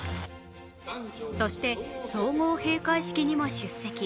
そして総合閉会式にも出席。